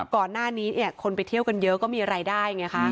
ก่อนหน้านี้คนไปเที่ยวกันเยอะก็มีรายได้ไงคะ